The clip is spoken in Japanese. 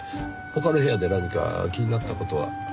他の部屋で何か気になった事は？